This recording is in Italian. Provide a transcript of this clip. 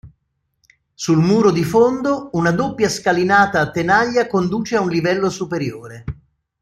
Sul muro di fondo una doppia scalinata a tenaglia conduce a un livello superiore.